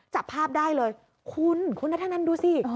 จับภาพได้เลยคุณคุณนัทธนันดูสิ